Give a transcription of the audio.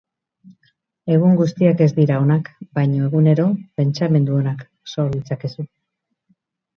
Egun guztiak ez dira onak baina egunero pentsamendu onak sor ditzakezu.